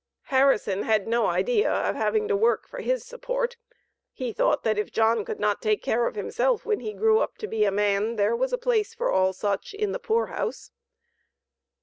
Harrison had no idea of having to work for his support he thought that, if John could not take care of himself when he grew up to be a man, there was a place for all such in the poor house.